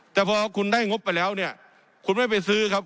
แต่พอคุณได้งบไปแล้วเนี่ยคุณไม่ไปซื้อครับ